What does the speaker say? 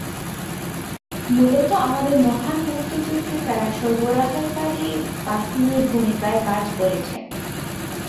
মূলত আমাদের মহান মুক্তিযুদ্ধে তারা সরবরাহকারী বাহিনীর ভূমিকায় কাজ করছেন।